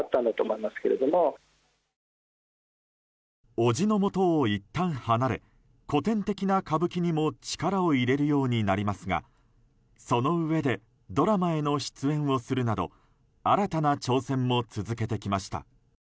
伯父のもとをいったん離れ古典的な歌舞伎にも力を入れるようになりますがそのうえでドラマへの出演をするなど新たな挑戦も続けてきました。